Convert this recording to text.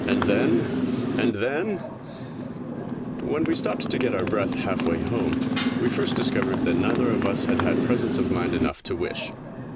And then ... and then ... When we stopped to get our breath half way home we first discovered that neither of us had had presence of mind enough to wish.